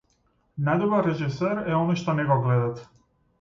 Најдобар режисер е оној што не го гледате.